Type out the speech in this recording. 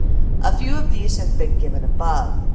A few of these have been given above.